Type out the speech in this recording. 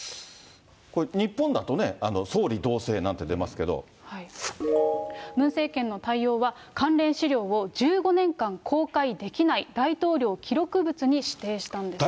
これ、日本だとね、ムン政権の対応は、関連資料を１５年間公開できない大統領記録物に指定したんです。